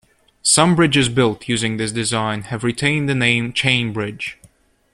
Some bridges built using this design have retained the name "Chain Bridge".